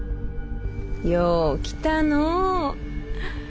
よう来たの。